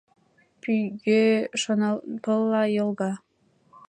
Пӱгӧ шонанпылла йолга.